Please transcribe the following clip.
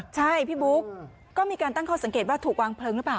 ใช่พี่บุ๊คก็มีการตั้งข้อสังเกตว่าถูกวางเพลิงหรือเปล่า